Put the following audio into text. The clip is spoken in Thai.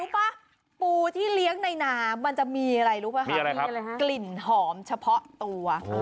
กลิ่นหอมเฉพาะตัว